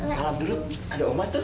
eh salam dulu ada umat tuh